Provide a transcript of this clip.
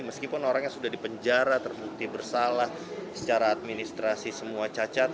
meskipun orangnya sudah dipenjara terbukti bersalah secara administrasi semua cacat